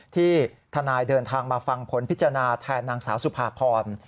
ที่ทนายเดินทางมาฟังผลพิจารณาแทนนางสาวสุภาพร